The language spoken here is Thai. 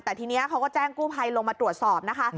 แต่ทีนี้เขาก็แจ้งกู้ภัยลงมาตรวจสอบนะคะ